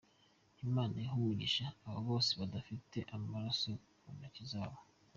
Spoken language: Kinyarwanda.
Imana ihe umugisha abo bose badafite amaraso ku ntoki zabo.